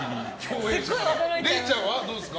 れいちゃんはどうですか？